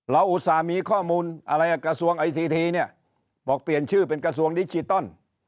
อุตส่าห์มีข้อมูลอะไรอ่ะกระทรวงไอซีทีเนี่ยบอกเปลี่ยนชื่อเป็นกระทรวงดิจิตอล